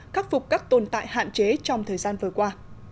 khắc phục các tồn tại hạn chế trong thời gian vừa qua